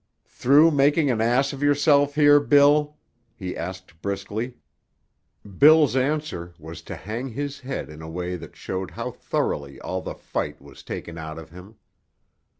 "Through making an ass of yourself here, Bill?" he asked briskly. Bill's answer was to hang his head in a way that showed how thoroughly all the fight was taken out of him.